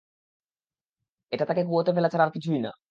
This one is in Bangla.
এটা তাকে কুয়োতে ফেলা ছাড়া আর কিছুই না।